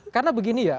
karena begini ya